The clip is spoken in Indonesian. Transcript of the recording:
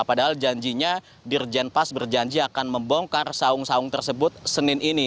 padahal janjinya dirjen pas berjanji akan membongkar saung saung tersebut senin ini